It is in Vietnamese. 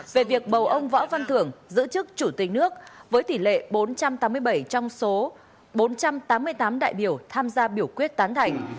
về việc bầu ông võ văn thưởng giữ chức chủ tịch nước với tỷ lệ bốn trăm tám mươi bảy trong số bốn trăm tám mươi tám đại biểu tham gia biểu quyết tán thành